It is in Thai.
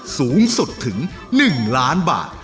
สูงสุดถึง๑ล้านบาท